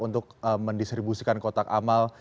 untuk mendistribusikan kotak amal